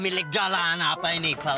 sudah lima ratus helper merupakan tautan merah